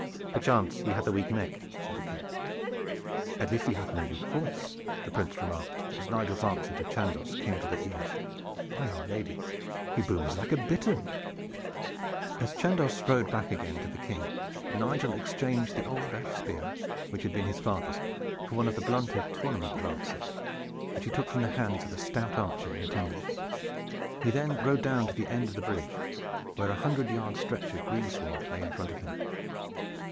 "Perchance he hath a weak neck," said the King. "At least he hath no weak voice," the Prince remarked, as Nigel's answer to Chandos came to their ears. "By our lady, he booms like a bittern." As Chandos rode back again to the King, Nigel exchanged the old ash spear which had been his father's for one of the blunted tournament lances which he took from the hands of a stout archer in attendance. He then rode down to the end of the bridge where a hundred yard stretch of greensward lay in front of him.